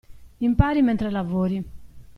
Impari mentre lavori.